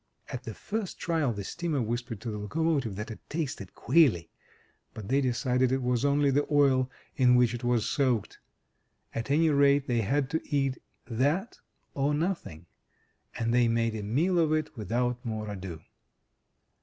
At the first trial the steamer whispered to the locomotive that it tasted queerly, but they decided it was only the oil in which it 121 MY BOOK HOUSE was soaked. At any rate they had to eat that or nothing, and they made a meal of it without more ado.